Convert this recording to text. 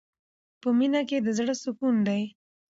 په مینه کې د زړه سکون دی.